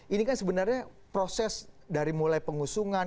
ini kan sebenarnya proses dari mulai pengusungan